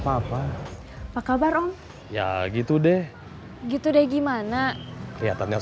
kalau kamu mau diperapas